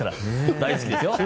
大好きですよ。